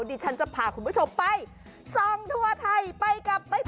ดิฉันจะพาคุณผู้ชมไปส่องทั่วไทยไปกับใบตอ